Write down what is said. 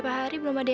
eh gapapa deh